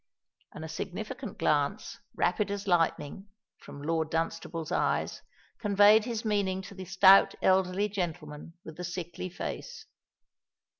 And a significant glance, rapid as lightning, from Lord Dunstable's eyes, conveyed his meaning to the stout elderly gentleman with the sickly face.